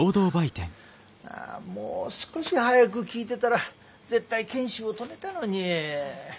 もう少し早く聞いてたら絶対賢秀を止めたのに。